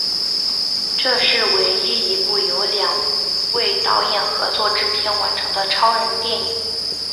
这是唯一一部由两位导演合作制片完成的超人电影。